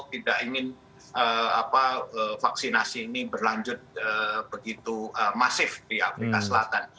tidak ingin vaksinasi ini berlanjut begitu masyarakat